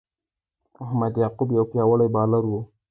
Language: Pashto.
محمد یعقوب یو پياوړی بالر وو.